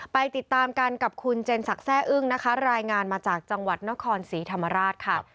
ไปติดตามกันกับคุณเจนศักดิ์แซ่อึ้งนะคะรายงานมาจากจังหวัดนครศรีธรรมราชค่ะ